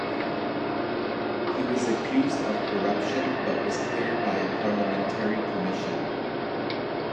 He was accused of corruption, but was cleared by a parliamentary commission.